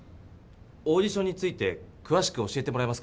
オーディションについてくわしく教えてもらえますか？